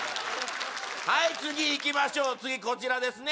はい次いきましょう次こちらですね